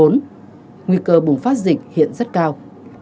nguy cơ bùng phát dịch hiện rất cao